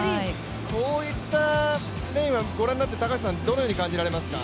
こういったレーンはご覧になってどう感じられますか？